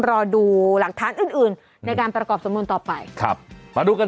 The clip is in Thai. รอดูหลักฐานอื่นอื่นในการประกอบสำนวนต่อไปครับมาดูกัน